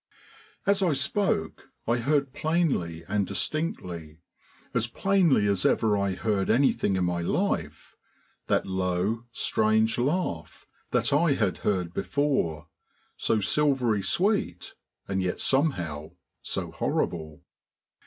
As I spoke I heard plainly and distinctly, as plainly as ever I heard anything in my life, that low, strange laugh, that I had heard before, so silvery sweet and yet somehow so horrible.